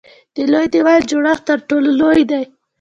د لوی دیوال جوړښت تر ټولو لوی دی.